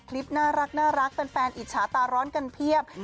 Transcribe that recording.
คลิปน่ารักแฟนอิจฉาตาร้อนกันเพียบ